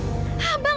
dia pasti menang